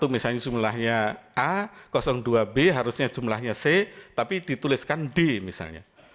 misalnya jumlahnya a dua b harusnya jumlahnya c tapi dituliskan d misalnya